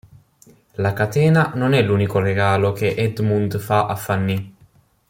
La catena non è l'unico regalo che Edmund fa a Fanny.